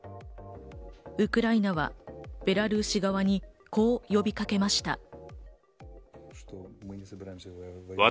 ウクライナはベラルーシ側にこう呼びかけました。